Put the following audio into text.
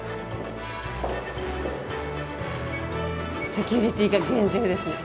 セキュリティーが厳重ですね。